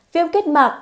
viêm kết mạc